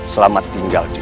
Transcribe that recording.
selamat tinggal duduk